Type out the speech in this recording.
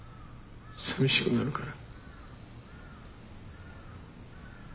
さみしくなるから。